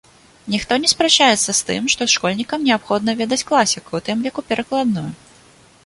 Ніхто не спрачаецца з тым, што школьнікам неабходна ведаць класіку, у тым ліку перакладную.